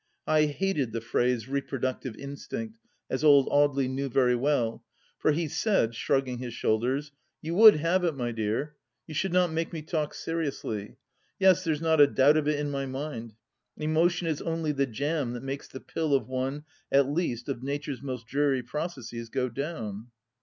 I hated the phrase " reproductive instinct," as old Audely knew very well, for he said, shrugging his shoulders :" You would have it, my dear I You should not make me talk seriously. Yes, there's not a doubt of it in my mind. Emotion is only the jam that makes the pill of one at least of Nature's most dreary processes go down."